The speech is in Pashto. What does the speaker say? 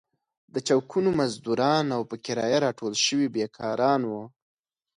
د چوکونو مزدوران او په کرايه راټول شوي بېکاران وو.